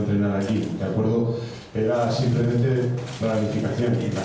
ini hanya peralatan